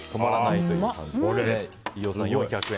飯尾さん、４００円